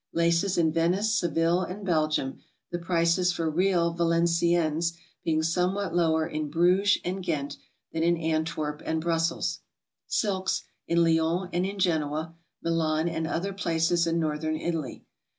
Laces, in Venice, Seville and Belgium, the prices for real Valenciennes 'being somewhat lower in Bruges and Ghent than in Antwerp and Brussels. Silks, in Lyons and in Genoa, Milan and other places in Northern Italy.